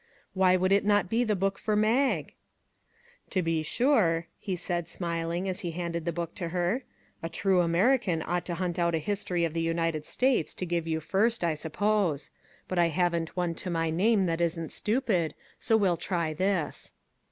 Why would it not be the book for Mag ?" To be sure," he said, smiling, as he handed the book to her. " A true American ought to hunt out a history of the United States to give you first, I suppose; but I haven't one to my name that isn't stupid; so we'll try this."